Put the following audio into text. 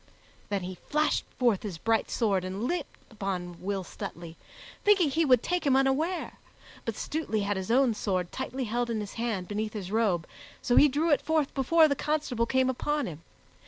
Then he flashed forth his bright sword and leaped upon Will Stutely, thinking he would take him unaware; but Stutely had his own sword tightly held in his hand, beneath his robe, so he drew it forth before the constable came upon him.